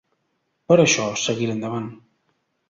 Per això, seguiré endavant.